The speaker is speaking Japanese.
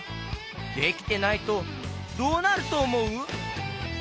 できてないとどうなるとおもう？